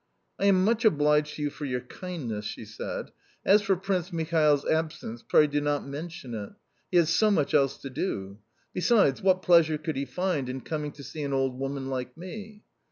"I am much obliged to you for your kindness," she said. "As for Prince Michael's absence, pray do not mention it. He has so much else to do. Besides, what pleasure could he find in coming to see an old woman like me?"